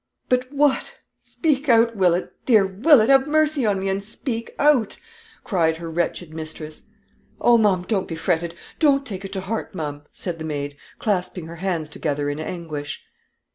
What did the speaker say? "But what? Speak out, Willett; dear Willett have mercy on me, and speak out," cried her wretched mistress. "Oh, ma'am, don't be fretted; don't take it to heart, ma'am," said the maid, clasping her hands together in anguish.